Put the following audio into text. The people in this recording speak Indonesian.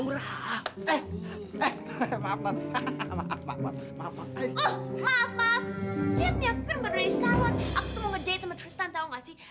oh maaf maaf liat nih aku kan baru dari salon aku tuh mau nge date sama tristan tau gak sih